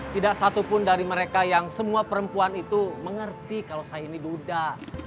tidak satupun dari mereka yang semua perempuan itu mengerti kalau saya ini duda